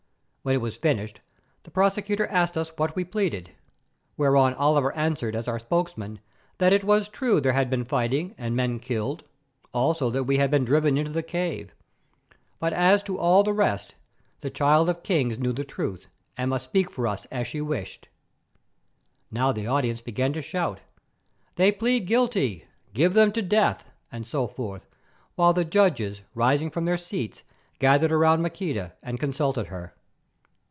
When it was finished the prosecutor asked us what we pleaded, whereon Oliver answered as our spokesman that it was true there had been fighting and men killed, also that we had been driven into the cave, but as to all the rest the Child of Kings knew the truth, and must speak for us as she wished. Now the audience began to shout, "They plead guilty! Give them to death!" and so forth, while the judges rising from their seats, gathered round Maqueda and consulted her.